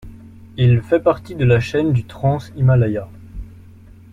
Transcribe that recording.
Il fait partie de la chaîne du Transhimalaya.